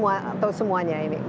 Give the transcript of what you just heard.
atau semuanya ini